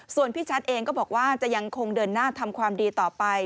ส่วนพี่ชัดเองก็บอกว่าจะยังคงเดินหน้าทำความดีต่อไป